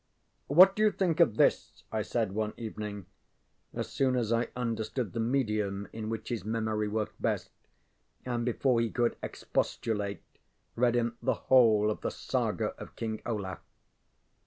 ŌĆ£What do you think of this? ŌĆØ I said one evening, as soon as I understood the medium in which his memory worked best, and, before he could expostulate read him the whole of ŌĆ£The Saga of King Olaf!